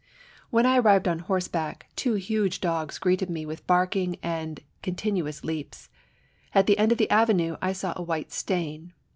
When I arrived on horseback, two huge dogs greeted me with barking and continous leaps. At the end of the avenue I saw a white stain.